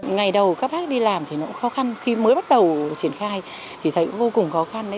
ngày đầu các bác đi làm thì nó cũng khó khăn khi mới bắt đầu triển khai thì thấy vô cùng khó khăn